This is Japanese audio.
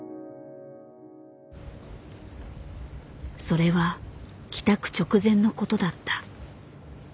それは帰宅直前のことだった。